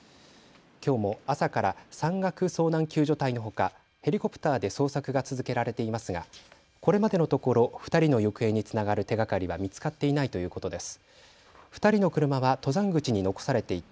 きょうも朝から山岳遭難救助隊のほかヘリコプターで捜索が続けられていますがこれまでのところ２人の行方につながる手がかりは見つかっていないということです。